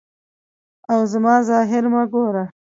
او زما ظاهر مه ګوره.